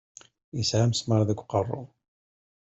Isɛa amesmaṛ deg uqeṛṛu.